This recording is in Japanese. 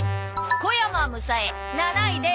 小山むさえ７位です！